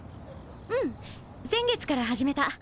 うん先月から始めた。